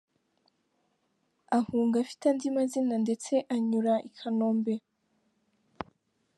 Ahunga afite andi mazina ndetse anyura i Kanombe.